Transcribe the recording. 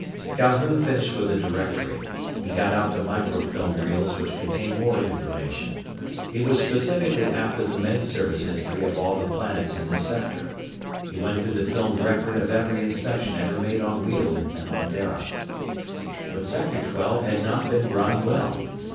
Calhoun finished with the Directory. He got out the micro film reels which contained more information. He was specifically after the Med Service history of all the planets in this sector. He went through the filmed record of every inspection ever made on Weald and on Dara. But Sector Twelve had not been run well.